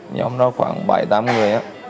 nhóm đó khoảng bảy tám người á